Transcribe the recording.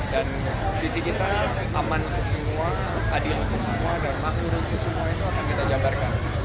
dan visi kita aman untuk semua adil untuk semua dan makmur untuk semua itu akan kita jabarkan